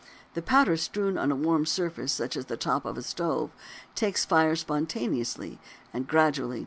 This powder, strewn on a warm surface such as the top of a stove, takes fire spontaneously and gradually disappears.